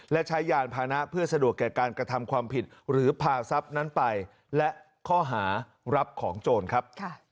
และใช้ยานพานะเพื่อสะดวกแก่การกระทำความผิดหรือพาทรัพย์นั้นไปและข้อหารับของโจรครับ